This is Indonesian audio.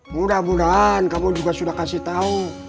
mudah mudahan kamu juga sudah kasih tahu